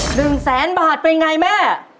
หนึ่งแสนบาทเป็นไงแม่